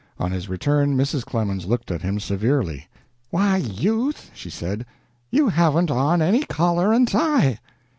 On his return Mrs. Clemens looked at him severely. "Why, Youth," she said, "you haven't on any collar and tie."